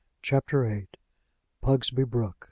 CHAPTER VIII. PUGSBY BROOK.